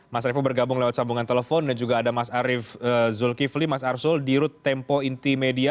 mas revo bergabung lewat sambungan telepon dan juga ada mas arief zulkifli mas arsul dirut tempo intimedia